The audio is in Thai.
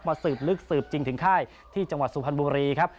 สืบลึกสืบจริงถึงค่ายที่จังหวัดสุพรรณบุรีครับ